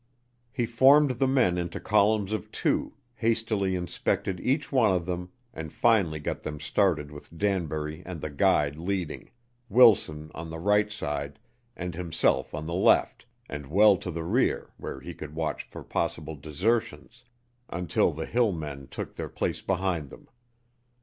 He formed the men into columns of two, hastily inspected each one of them, and finally got them started with Danbury and the guide leading, Wilson, on the right side, and himself on the left and well to the rear where he could watch for possible desertions until the hill men took their place behind them.